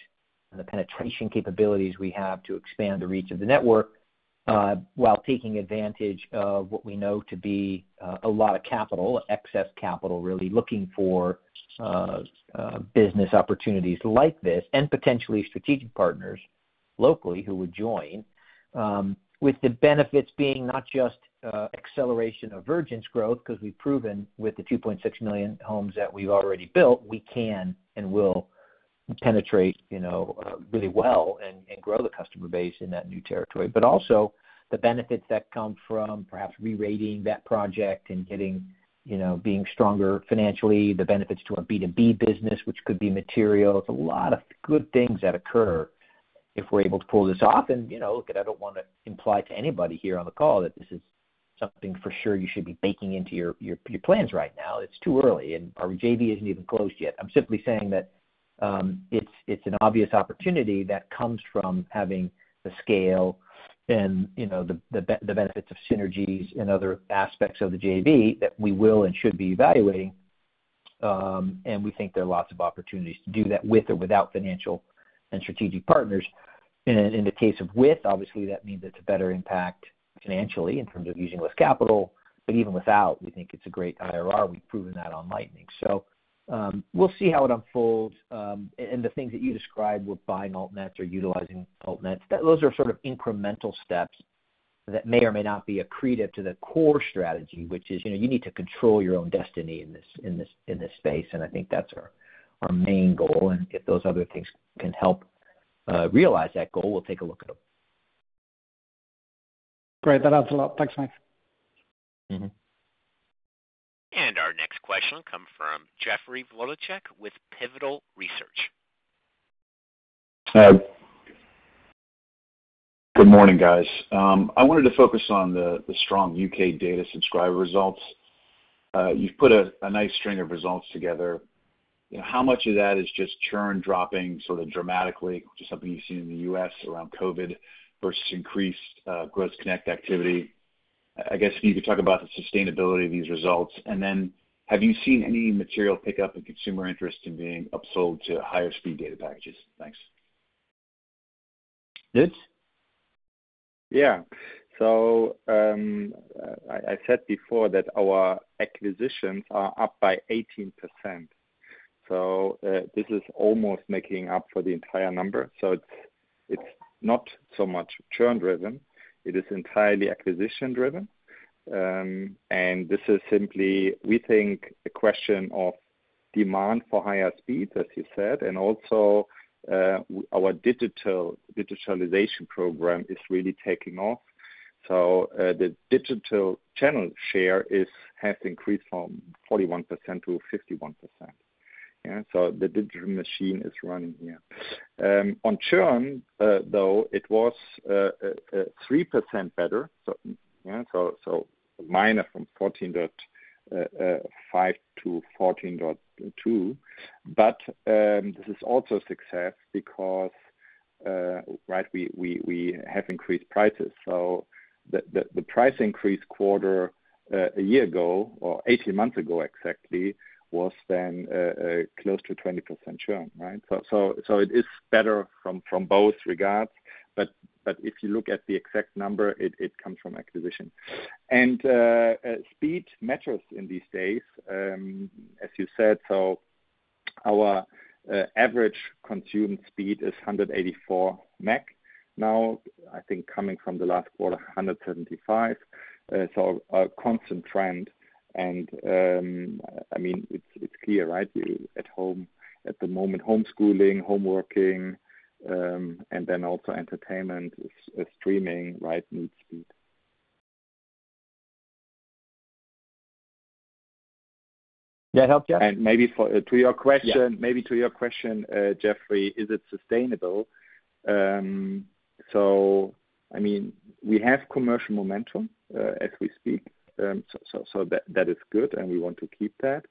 and the penetration capabilities we have to expand the reach of the network, while taking advantage of what we know to be a lot of capital. Excess capital, really, looking for business opportunities like this and potentially strategic partners locally who would join. With the benefits being not just acceleration of Virgin’s growth, because we’ve proven with the 2.6 million homes that we’ve already built, we can and will penetrate really well and grow the customer base in that new territory. Also, the benefits that come from perhaps rerating that project and being stronger financially. The benefits to our B2B business, which could be material. There's a lot of good things that occur if we're able to pull this off. Look, I don't want to imply to anybody here on the call that this is something for sure you should be baking into your plans right now. It's too early. Our JV isn't even closed yet. I'm simply saying that it's an obvious opportunity that comes from having the scale and the benefits of synergies and other aspects of the JV that we will and should be evaluating. We think there are lots of opportunities to do that with or without financial and strategic partners. In the case of with, obviously that means it's a better impact financially in terms of using less capital. Even without, we think it's a great IRR. We've proven that on Lightning. We'll see how it unfolds. The things that you described with buying Altnets or utilizing Altnets, those are sort of incremental steps that may or may not be accretive to the core strategy. Which is, you need to control your own destiny in this space. I think that's our main goal. If those other things can help realize that goal, we'll take a look at them. Great. That adds a lot. Thanks, Mike. Our next question will come from Jeffrey Wlodarczak with Pivotal Research. Good morning, guys. I wanted to focus on the strong U.K. data subscriber results. You've put a nice string of results together. How much of that is just churn dropping sort of dramatically, which is something you've seen in the U.S. around COVID, versus increased gross connect activity? I guess if you could talk about the sustainability of these results. Have you seen any material pickup in consumer interest in being upsold to higher speed data packages? Thanks. Lutz? Yeah. I said before that our acquisitions are up by 18%. This is almost making up for the entire number. It's not so much churn driven. It is entirely acquisition driven. This is simply, we think, a question of demand for higher speeds, as you said. Our digitalization program is really taking off. The digital channel share has increased from 41% to 51%. Yeah. The digital machine is running here. On churn, though, it was 3% better. Minus from 14.5% to 14.2%. This is also a success because we have increased prices. The price increase quarter a year ago, or 18 months ago exactly, was then close to 20% churn. Right? It is better from both regards. If you look at the exact number, it comes from acquisition. Speed matters in these days, as you said. Our average consumed speed is 184 Mbps now. I think coming from the last quarter, 175 Mbps. A constant trend and it's clear, right? At the moment, homeschooling, home working, and then also entertainment is streaming, right, needs speed. That help you? Maybe to your question. Yeah. To your question, Jeffrey, is it sustainable? We have commercial momentum, as we speak. That is good, and we want to keep that.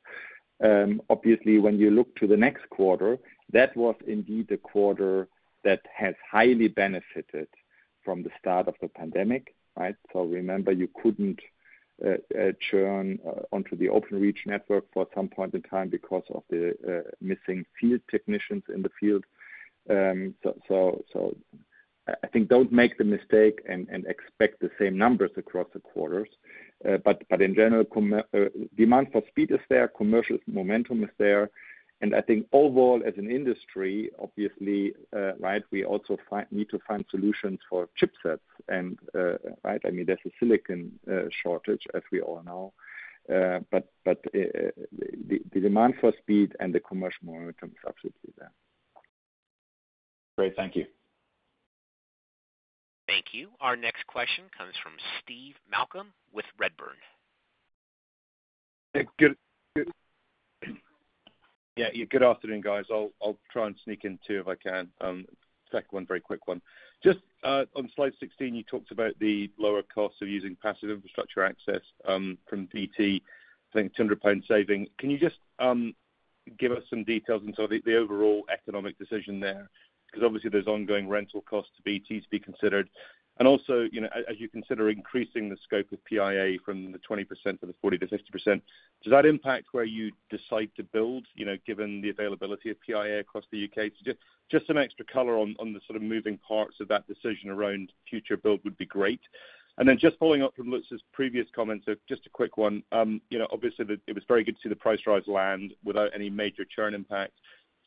Obviously, when you look to the next quarter, that was indeed a quarter that has highly benefited from the start of the pandemic. Right? Remember, you couldn't churn onto the Openreach network for some point in time because of the missing field technicians in the field. I think don't make the mistake and expect the same numbers across the quarters. In general, demand for speed is there, commercial momentum is there, and I think overall as an industry, obviously, we also need to find solutions for chipsets. There's a silicon shortage, as we all know. The demand for speed and the commercial momentum is absolutely there. Great. Thank you. Thank you. Our next question comes from Steve Malcolm with Redburn. Yeah. Good afternoon, guys. I'll try and sneak in two if I can. Second one, very quick one. Just on slide 16, you talked about the lower cost of using passive infrastructure access from BT, I think GBP 200 saving. Obviously there's ongoing rental costs to BT to be considered. Also, as you consider increasing the scope of PIA from the 20% to the 40%-60%, does that impact where you decide to build, given the availability of PIA across the U.K.? Just some extra color on the sort of moving parts of that decision around future build would be great. Then just following up from Lutz's previous comments, just a quick one. Obviously, it was very good to see the price rise land without any major churn impact.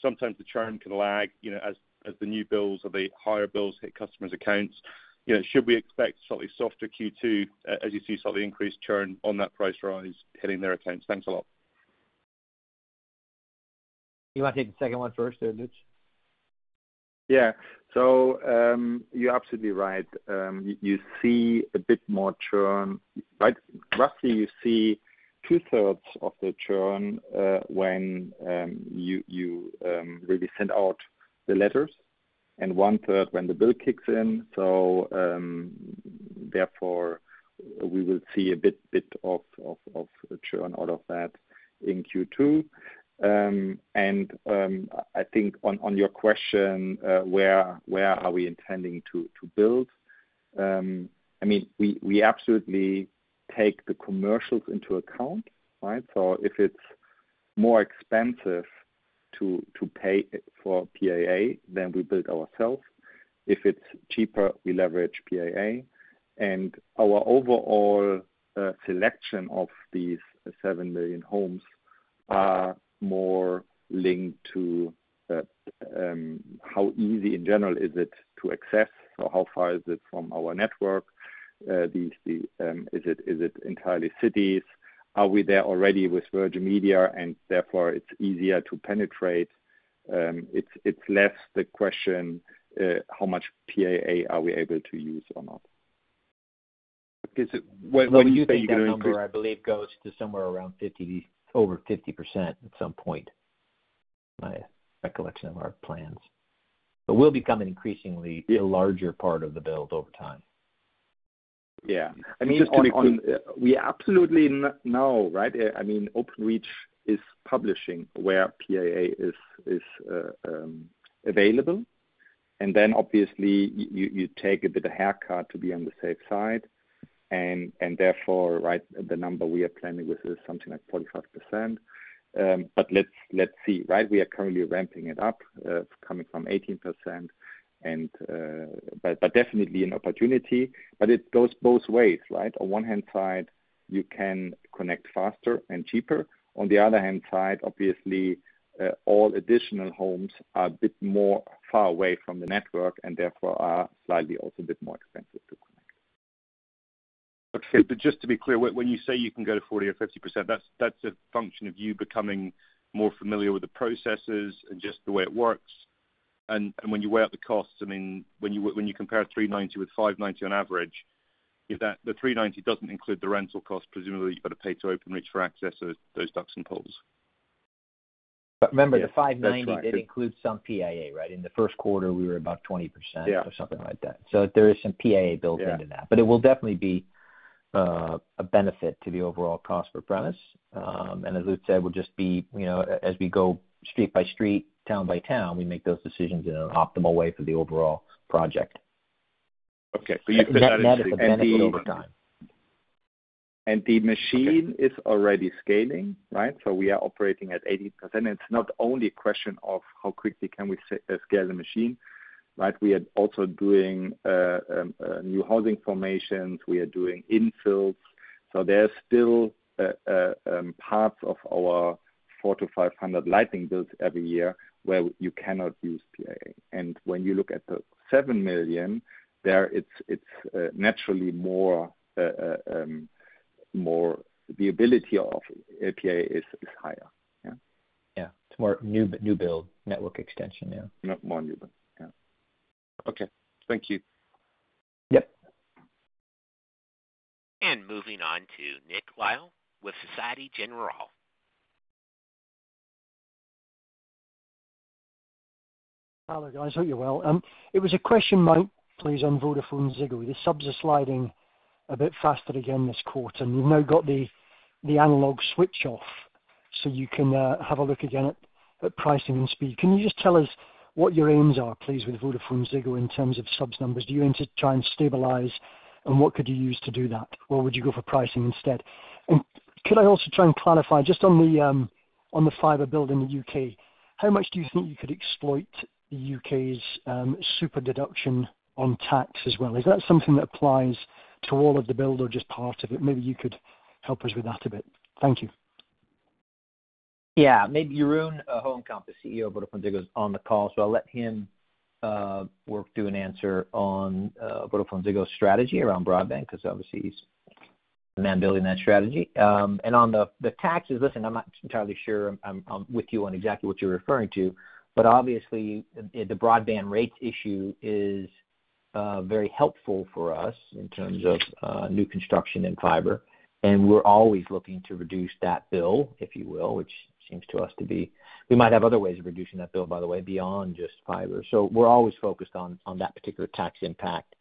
Sometimes the churn can lag as the new bills or the higher bills hit customers' accounts. Should we expect slightly softer Q2 as you see slightly increased churn on that price rise hitting their accounts? Thanks a lot. You want to take the second one first there, Lutz? Yeah. You're absolutely right. You see a bit more churn. Roughly you see two-thirds of the churn when you really send out the letters, and one-third when the bill kicks in. Therefore, we will see a bit of churn out of that in Q2. I think on your question, where are we intending to build? We absolutely take the commercials into account, right? If it's more expensive to pay for PIA, then we build ourselves. If it's cheaper, we leverage PIA. Our overall selection of these 7 million homes are more linked to how easy in general is it to access or how far is it from our network. Is it entirely cities? Are we there already with Virgin Media and therefore it's easier to penetrate? It's less the question, how much PIA are we able to use or not. I believe that number goes to somewhere over 50% at some point, my recollection of our plans. Will become an increasingly larger part of the build over time. Yeah. Just to be clear. We absolutely know, right? Openreach is publishing where PIA is available. Obviously, you take a bit of haircut to be on the safe side, and therefore the number we are planning with is something like 45%. Let's see. We are currently ramping it up. It's coming from 18%. Definitely an opportunity, but it goes both ways, right? On one hand side, you can connect faster and cheaper. On the other hand side, obviously, all additional homes are a bit more far away from the network and therefore are slightly also a bit more expensive to connect. Okay. Just to be clear, when you say you can go to 40% or 50%, that's a function of you becoming more familiar with the processes and just the way it works. When you weigh up the costs, when you compare $390 with $590 on average, the $390 doesn't include the rental cost. Presumably, you've got to pay to Openreach for access to those ducts and poles. Remember, the $590 did include some PIA, right? In the first quarter, we were about 20%. Yeah. Or something like that. There is some PIA built into that. Yeah. It will definitely be a benefit to the overall cost per premise. As Lutz said, as we go street by street, town by town, we make those decisions in an optimal way for the overall project. Okay. You can add it to the end. That is a benefit over time. The machine is already scaling, right? We are operating at 80%. It's not only a question of how quickly can we scale the machine, but we are also doing new housing formations, we are doing infills. There's still parts of our 400-500 Lightning builds every year where you cannot use PIA. When you look at the 7 million, there it's naturally the ability of PIA is higher. Yeah. Yeah. It's more new build network extension. Yeah. More new build. Okay. Thank you. Yep. Moving on to Nick Lyall with Société Générale. Hello, guys. Hope you're well. It was a question, Mike, please, on VodafoneZiggo. The subs are sliding a bit faster again this quarter, and you've now got the analog switch off, so you can have a look again at pricing and speed. Can you just tell us what your aims are, please, with VodafoneZiggo in terms of subs numbers? Do you aim to try and stabilize? What could you use to do that? Would you go for pricing instead? Could I also try and clarify just on the fiber build in the U.K., how much do you think you could exploit the U.K.'s super-deduction on tax as well? Is that something that applies to all of the build or just part of it? Maybe you could help us with that a bit. Thank you. Maybe Jeroen Hoencamp, Chief Executive Officer of VodafoneZiggo, is on the call, so I'll let him work through an answer on VodafoneZiggo's strategy around broadband, because obviously he's the man building that strategy. On the taxes, listen, I'm not entirely sure I'm with you on exactly what you're referring to, but obviously, the broadband rates issue is very helpful for us in terms of new construction in fiber. We're always looking to reduce that bill, if you will. We might have other ways of reducing that bill, by the way, beyond just fiber. We're always focused on that particular tax impact.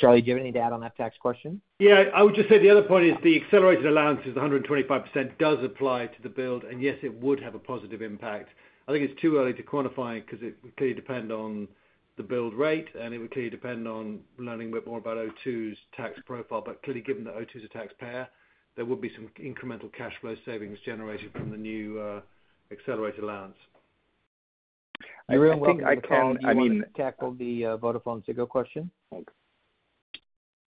Charlie, do you have any to add on that tax question? Yeah. I would just say the other point is the accelerated allowance is 125% does apply to the build, and yes, it would have a positive impact. I think it's too early to quantify because it clearly depend on the build rate, and it would clearly depend on learning a bit more about O2's tax profile. Clearly, given that O2's a taxpayer, there will be some incremental cash flow savings generated from the new, accelerated allowance. Jeroen, welcome to the call. Do you want to tackle the VodafoneZiggo question?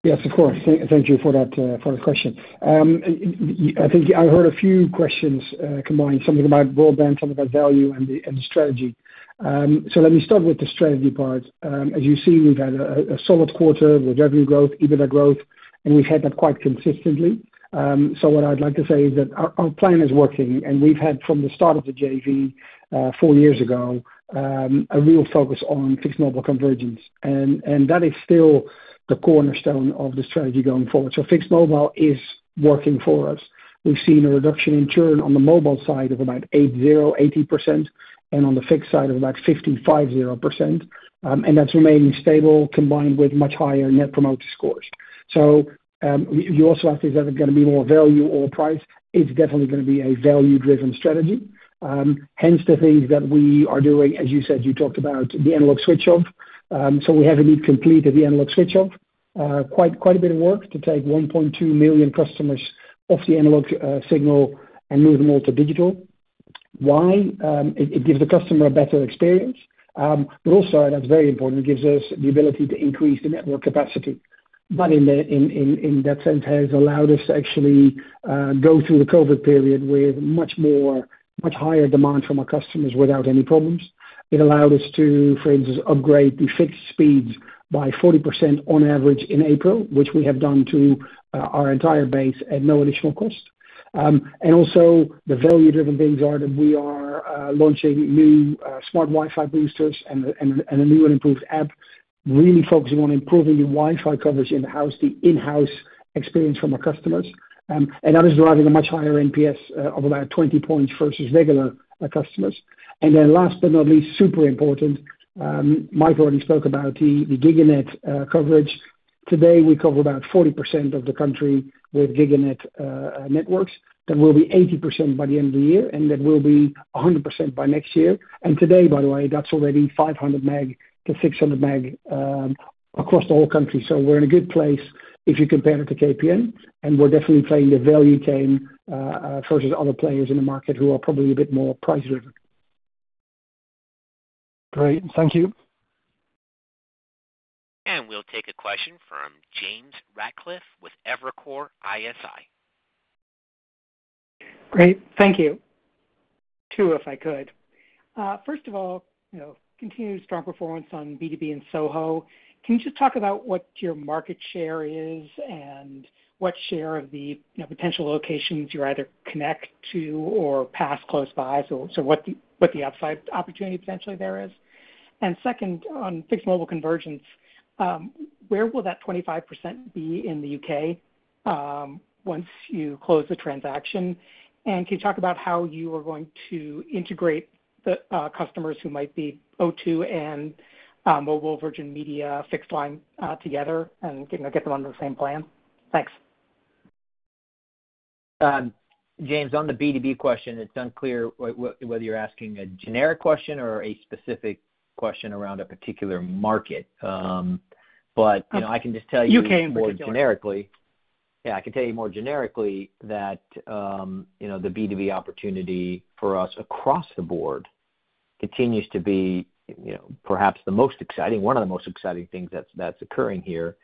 Yes, of course. Thank you for the question. I think I heard a few questions combined, something about broadband, something about value and the strategy. Let me start with the strategy part. As you've seen, we've had a solid quarter with revenue growth, EBITDA growth, and we've had that quite consistently. What I'd like to say is that our plan is working, and we've had from the start of the JV, four years ago, a real focus on fixed mobile convergence. That is still the cornerstone of the strategy going forward. Fixed mobile is working for us. We've seen a reduction in churn on the mobile side of about 80%, and on the fixed side of about 55%, and that's remaining stable, combined with much higher Net Promoter Scores. You also asked is that going to be more value or price. It's definitely going to be a value-driven strategy. Hence, the things that we are doing, as you said, you talked about the analog switch off. We have indeed completed the analog switch off. Quite a bit of work to take 1.2 million customers off the analog signal and move them all to digital. Why? It gives the customer a better experience. Also, and that's very important, it gives us the ability to increase the network capacity. In that sense, has allowed us to actually go through the COVID period with much higher demand from our customers without any problems. It allowed us to, for instance, upgrade the fixed speeds by 40% on average in April, which we have done to our entire base at no additional cost. Also, the value-driven things are that we are launching new smart Wi-Fi boosters and a new and improved app, really focusing on improving the Wi-Fi coverage in-house, the in-house experience from our customers. That is driving a much higher NPS of about 20 points versus regular customers. Then last but not least, super important, Mike already spoke about the GigaNet coverage. Today, we cover about 40% of the country with GigaNet networks. That will be 80% by the end of the year, that will be 100% by next year. Today, by the way, that's already 500 MB-600 MB across the whole country. We're in a good place if you compare it to KPN, we're definitely playing the value game versus other players in the market who are probably a bit more price-driven. Great. Thank you. We'll take a question from James Ratcliffe with Evercore ISI. Great. Thank you. Two, if I could. First of all, continued strong performance on B2B and SOHO. Can you just talk about what your market share is and what share of the potential locations you either connect to or pass close by? What the upside opportunity potentially there is. Second, on FMC, where will that 25% be in the U.K., once you close the transaction? Can you talk about how you are going to integrate the customers who might be O2 and Virgin Media fixed line together and get them under the same plan? Thanks. James, on the B2B question, it's unclear whether you're asking a generic question or a specific question around a particular market. I can just tell you more generically. U.K. in particular. Yeah, I can tell you more generically that the B2B opportunity for us across the board continues to be perhaps one of the most exciting things that's occurring here.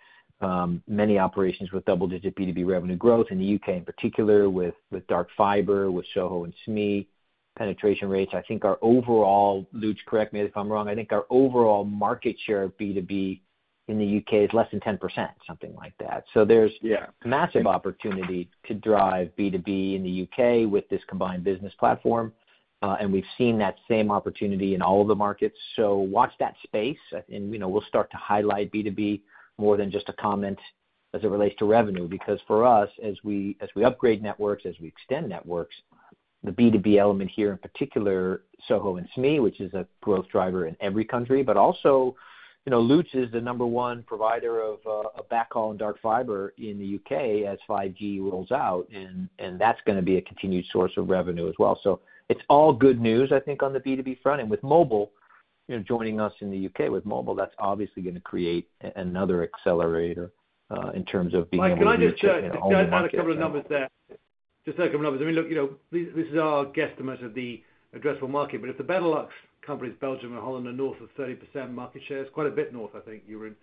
Many operations with double-digit B2B revenue growth in the U.K., in particular with dark fiber, with SOHO and SME penetration rates. Lutz, correct me if I'm wrong, I think our overall market share of B2B in the U.K. is less than 10%, something like that. Yeah. Massive opportunity to drive B2B in the U.K. with this combined business platform. We've seen that same opportunity in all of the markets. Watch that space, and we'll start to highlight B2B more than just a comment as it relates to revenue. For us, as we upgrade networks, as we extend networks, the B2B element here, in particular SOHO and SME, which is a growth driver in every country, also, Lutz is the number one provider of backhaul and dark fiber in the U.K. as 5G rolls out, that's going to be a continued source of revenue as well. It's all good news, I think, on the B2B front. Joining us in the U.K. with mobile, that's obviously going to create another accelerator. Mike, can I just add a couple of numbers there? Just a couple numbers. If the Benelux companies, Belgium and Holland are north of 30% market share, it's quite a bit north, I think, Jeroen.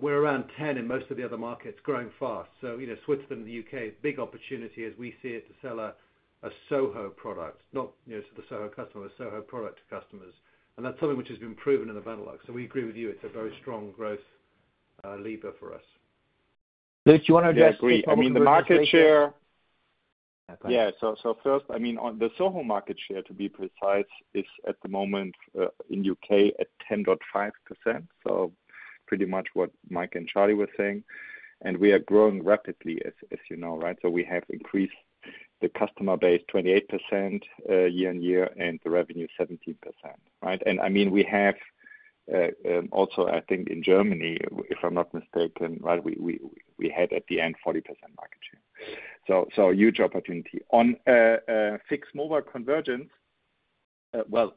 We're around 10 in most of the other markets, growing fast. Switzerland and the U.K. is a big opportunity as we see it, to sell a SOHO product, not to the SOHO customer, a SOHO product to customers. That's something which has been proven in the Benelux. We agree with you, it's a very strong growth lever for us. Lutz, you want to address- Yeah, agree. The market share. Yeah. Thanks. First, the SOHO market share, to be precise, is at the moment, in U.K. at 10.5%. Pretty much what Mike and Charlie were saying. We are growing rapidly, as you know, right? We have increased the customer base 28% year on year, and the revenue 17%, right? We have also, I think, in Germany, if I'm not mistaken, we had at the end, 40% market share. Huge opportunity. On fixed mobile convergence. What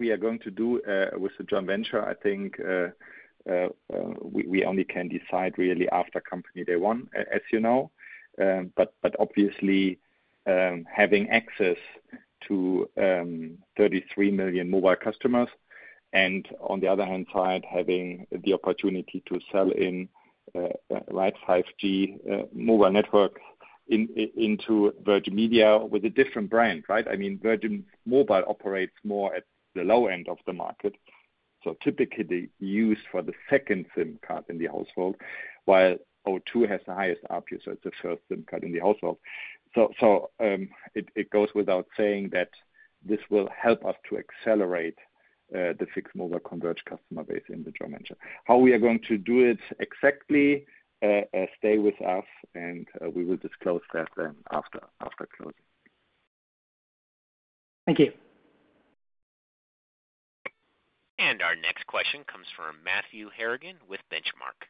we are going to do with the joint venture, I think, we only can decide really after Company Day One, as you know. Obviously, having access to 33 million mobile customers and on the other hand side, having the opportunity to sell in 5G mobile network into Virgin Media with a different brand, right? Virgin Mobile operates more at the low end of the market. Typically used for the second SIM card in the household, while O2 has the highest ARPU, so it's the first SIM card in the household. It goes without saying that this will help us to accelerate the fixed mobile converge customer base in the joint venture. How we are going to do it exactly, stay with us and we will disclose that after closing. Thank you. Our next question comes from Matthew Harrigan with Benchmark.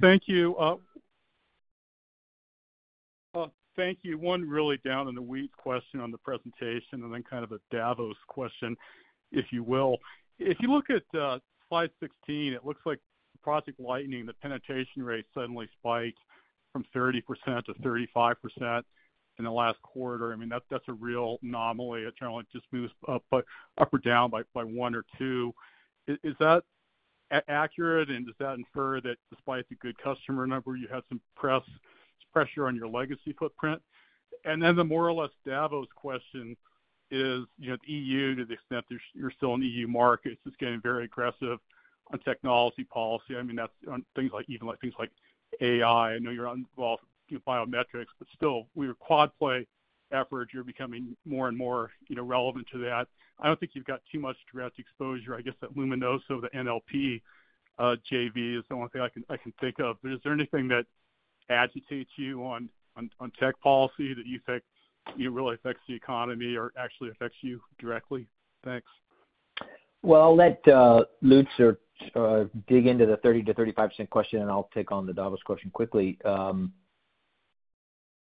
Thank you. One really down in the weeds question on the presentation and then a Davos question, if you will. If you look at slide 16, it looks like Project Lightning, the penetration rate suddenly spiked from 30%-35% in the last quarter. That's a real anomaly. It generally just moves up or down by one or two. Is that accurate, and does that infer that despite the good customer number, you had some pressure on your legacy footprint? The more or less Davos question is, the EU, to the extent you're still in the EU markets, is getting very aggressive on technology policy. On even things like AI. Still, with your quad play efforts, you're becoming more and more relevant to that. I don't think you've got too much direct exposure. I guess that Luminoso, the NLP JV, is the only thing I can think of. Is there anything that agitates you on tech policy that you think really affects the economy or actually affects you directly? Thanks. I'll let Lutz dig into the 30%-35% question and I'll take on the Davos question quickly.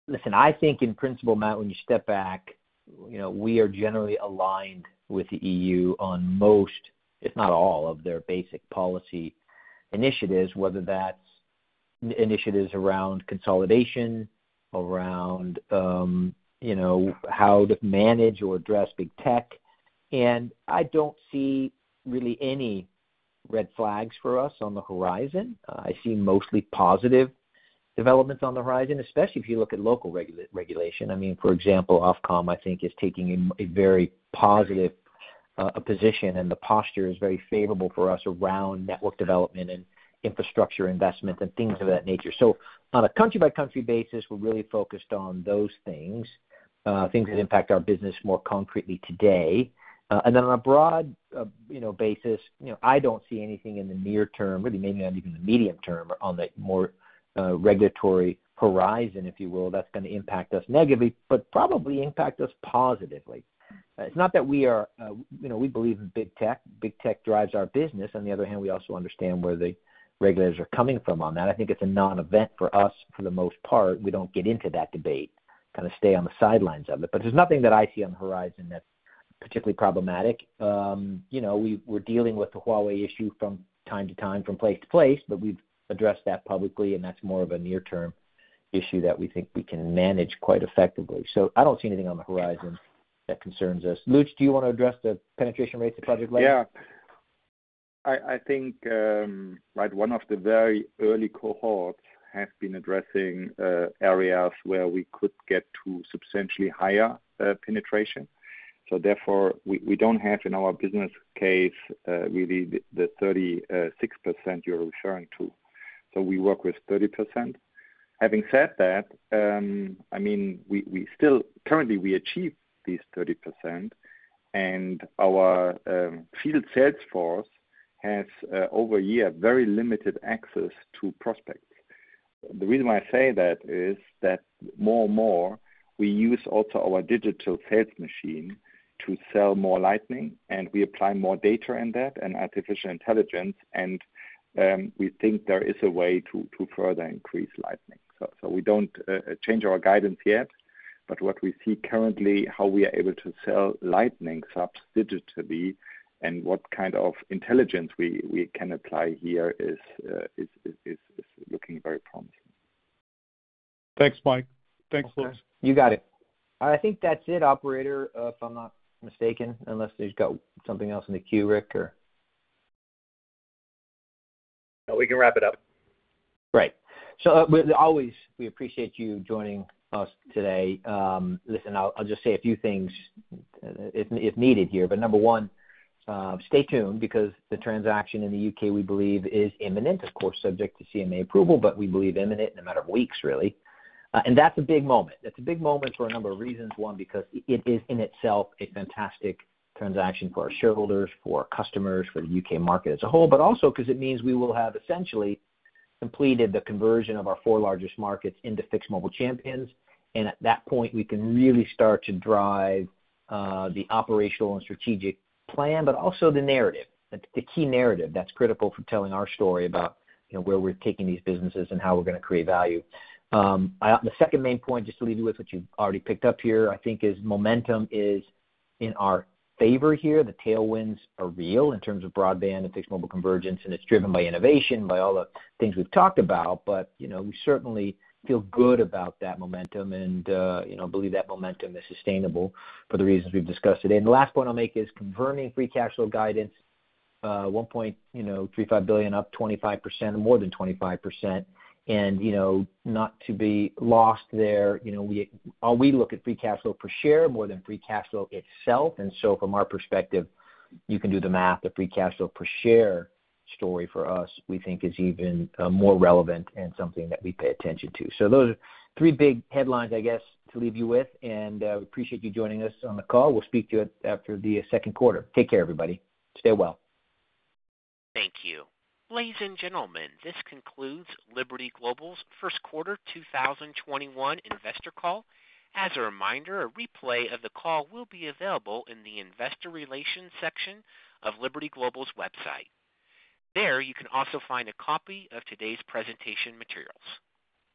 Listen, I think in principle, Matt, when you step back, we are generally aligned with the EU on most, if not all, of their basic policy initiatives, whether that's initiatives around consolidation, around how to manage or address big tech. I don't see really any red flags for us on the horizon. I see mostly positive developments on the horizon, especially if you look at local regulation. For example, Ofcom, I think, is taking a very positive position, and the posture is very favorable for us around network development and infrastructure investment and things of that nature. On a country-by-country basis, we're really focused on those things. Things that impact our business more concretely today. On a broad basis, I don't see anything in the near term, really maybe not even the medium term, on the more regulatory horizon, if you will, that's going to impact us negatively, but probably impact us positively. It's not that we believe in big tech. Big tech drives our business. On the other hand, we also understand where the regulators are coming from on that. I think it's a non-event for us for the most part. We don't get into that debate, kind of stay on the sidelines of it. There's nothing that I see on the horizon that's particularly problematic. We're dealing with the Huawei issue from time to time, from place to place, but we've addressed that publicly, and that's more of a near-term issue that we think we can manage quite effectively. I don't see anything on the horizon that concerns us. Lutz, do you want to address the penetration rates of Project Lightning? Yeah. I think one of the very early cohorts has been addressing areas where we could get to substantially higher penetration. Therefore, we don't have in our business case, really the 36% you're referring to. We work with 30%. Having said that, currently we achieve this 30%, and our field sales force has, over a year, very limited access to prospects. The reason why I say that is that more and more, we use also our digital sales machine to sell more Lightning, and we apply more data in that and artificial intelligence, and we think there is a way to further increase Lightning. We don't change our guidance yet. What we see currently, how we are able to sell Lightning subs digitally and what kind of intelligence we can apply here is looking very promising. Thanks, Mike. Thanks, Chris. You got it. I think that's it, operator, if I'm not mistaken, unless there's got something else in the queue, Rick? No, we can wrap it up. As always, we appreciate you joining us today. Listen, I'll just say a few things if needed here. Number one, stay tuned because the transaction in the U.K., we believe, is imminent. Of course, subject to CMA approval, but we believe imminent in a matter of weeks, really. That's a big moment. That's a big moment for a number of reasons. One, because it is in itself a fantastic transaction for our shareholders, for our customers, for the U.K. market as a whole, but also because it means we will have essentially completed the conversion of our four largest markets into fixed mobile champions. At that point, we can really start to drive the operational and strategic plan, but also the narrative, the key narrative that's critical for telling our story about where we're taking these businesses and how we're going to create value. The second main point, just to leave you with what you've already picked up here, I think is momentum is in our favor here. The tailwinds are real in terms of broadband and fixed mobile convergence, and it's driven by innovation, by all the things we've talked about. We certainly feel good about that momentum and believe that momentum is sustainable for the reasons we've discussed today. The last point I'll make is confirming free cash flow guidance, $1.35 billion up 25%, more than 25%. Not to be lost there, we look at free cash flow per share more than free cash flow itself. From our perspective, you can do the math. The free cash flow per share story for us, we think, is even more relevant and something that we pay attention to. Those are three big headlines, I guess, to leave you with, and we appreciate you joining us on the call. We will speak to you after the second quarter. Take care, everybody. Stay well. Thank you. Ladies and gentlemen, this concludes Liberty Global's first quarter 2021 investor call. As a reminder, a replay of the call will be available in the investor relations section of Liberty Global's website. There, you can also find a copy of today's presentation materials.